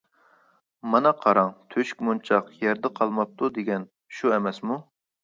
مانا قاراڭ، «تۆشۈك مونچاق يەردە قالماپتۇ» دېگەن شۇ ئەمەسمۇ.